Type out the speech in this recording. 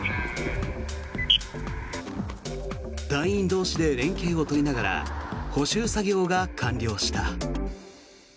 隊員同士で連携を取りながら補修作業が完了した。